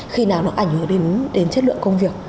khi nào nó ảnh hưởng đến chất lượng công việc